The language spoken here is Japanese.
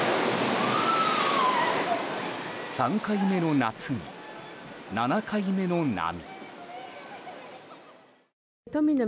３回目の夏に７回目の波。